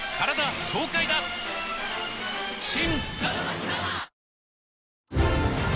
新！